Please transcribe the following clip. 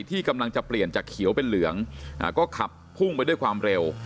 ที่กำลังจะเปลี่ยนจากเขียวเป็นเหลืองก็ขับพุ่งไปด้วยความเร็ว